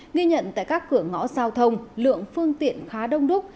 nghi nhận tại các cửa ngõ giao thông lượng phương tiện khá đông đúc